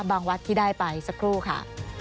วัดที่ได้ไปสักครู่ค่ะ